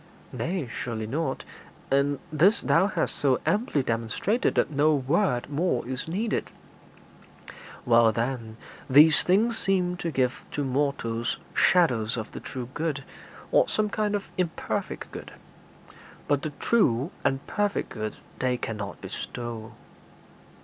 'Nay, surely not; and this thou hast so amply demonstrated that no word more is needed.' 'Well, then, these things seem to give to mortals shadows of the true good, or some kind of imperfect good; but the true and perfect good they cannot bestow.'